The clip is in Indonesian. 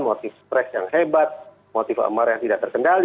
motif stress yang hebat motif amarah yang tidak terkendali